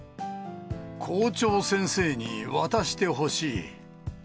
校長先生に渡してほしい。